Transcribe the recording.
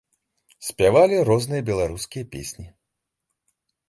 Спявалі розныя беларускія песні.